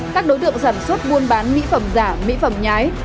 các đối tượng sản xuất buôn bán mỹ phẩm giả mỹ phẩm nhái